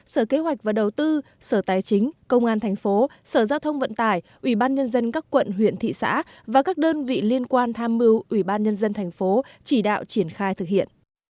sở kế hoạch và đầu tư sở tài chính công an thành phố sở giao thông vận tải ủy ban nhân dân các quận huyện thị xã và các đơn vị liên quan tham mưu ủy ban nhân dân thành phố chỉ đạo triển khai thực hiện